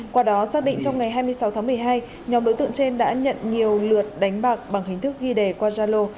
qua đó xác định trong ngày hai mươi sáu tháng một mươi hai nhóm đối tượng trên đã nhận nhiều lượt đánh bạc bằng hình thức ghi đề qua zalo